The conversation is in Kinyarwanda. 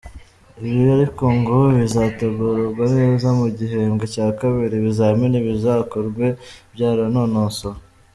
Ibi ariko ngo bizategurwa neza mu gihembwe cya kabiri, ibizamini bizakorwe byaranonosowe.